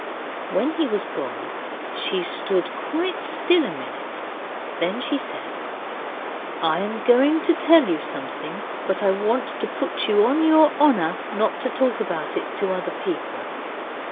When he was gone she stood quite still a minute. Then she said, 'I'm going to tell you something, but I want to put you on your honour not to talk about it to other people.